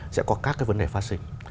sẽ có các vấn đề phát sinh